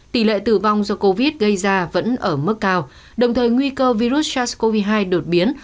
tỷ lệ tử vong do covid gây ra vẫn ở mức cao đồng thời nguy cơ virus sars cov hai đột biến